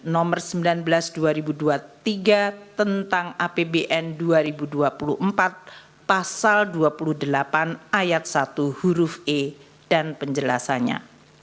nomor sembilan belas dua ribu dua puluh tiga tentang apbn dua ribu dua puluh empat pasal dua puluh delapan ayat satu huruf e dan penjelasannya